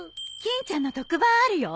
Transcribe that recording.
欽ちゃんの特番あるよ。